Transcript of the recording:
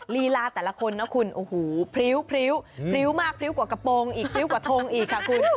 ลีลาแต่ละคนนะคุณโอ้โหพริ้วพริ้วมากพริ้วกว่ากระโปรงอีกพริ้วกว่าทงอีกค่ะคุณ